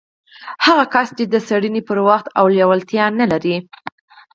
هغه کس چې د څېړنې وخت او لېوالتيا نه لري.